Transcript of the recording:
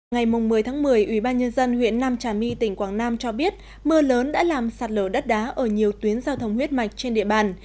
ngày một mươi một mươi ubnd huyện nam trà my tỉnh quảng nam cho biết mưa lớn đã làm sạt lở đất đá ở nhiều tuyến giao thông huyết mạch trên địa bàn